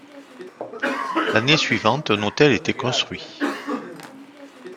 L'année suivante un hôtel était construit.